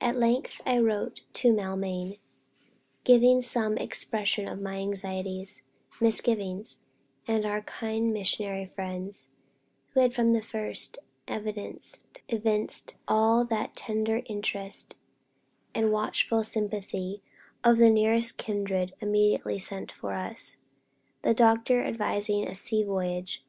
At length I wrote to Maulmain, giving some expression of my anxieties and misgivings, and our kind missionary friends, who had from the first evinced all the tender interest and watchful sympathy of the nearest kindred immediately sent for us the doctor advising a sea voyage.